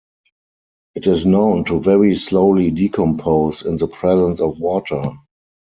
It is known to very slowly decompose in the presence of water.